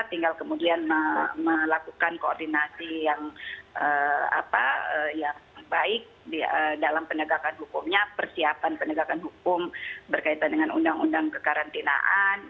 tinggal kemudian melakukan koordinasi yang baik dalam penegakan hukumnya persiapan penegakan hukum berkaitan dengan undang undang kekarantinaan